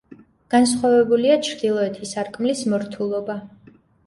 განსხვავებულია ჩრდილოეთი სარკმლის მორთულობა.